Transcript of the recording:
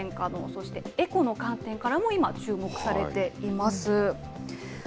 そしてエコの観点からも今、注目されています。